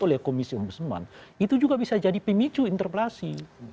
oleh komisi burseman itu juga bisa jadi pemicu interpelasi